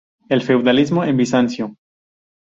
El feudalismo en Bizancio.